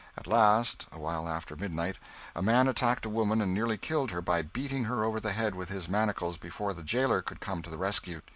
At last, a while after midnight, a man attacked a woman and nearly killed her by beating her over the head with his manacles before the jailer could come to the rescue.